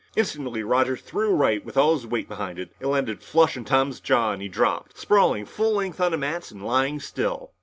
Instantly, Roger threw a right with all his weight behind it. It landed flush on Tom's jaw and he dropped, sprawling full length on the mats and lying still.